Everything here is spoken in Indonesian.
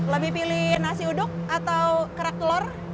lebih pilih nasi uduk atau kerak telur